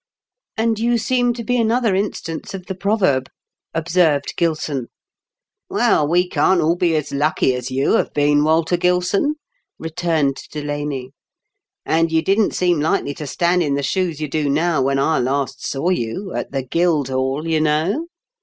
"And you seem to be another instance of the proverb," observed Gilson. "Well, we can't all be as lucky as you have been, Walter Gilson," returned Delaney. " And you didn't seem likely to stand in the shoes you do now when I last saw you — at the Guildhall, you know.